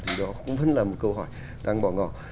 thì đó cũng vẫn là một câu hỏi đang bỏ ngỏ